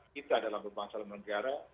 kita dalam beban seluruh negara